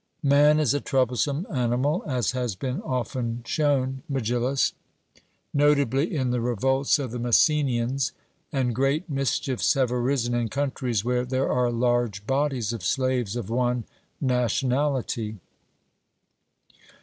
Man is a troublesome animal, as has been often shown, Megillus, notably in the revolts of the Messenians; and great mischiefs have arisen in countries where there are large bodies of slaves of one nationality.